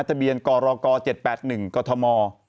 ทะเบียนกรก๗๘๑กธม